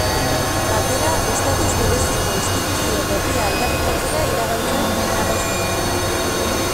Batera estatus bereziko instituzio berria aldarrikatzera iragan zen, harrez gero.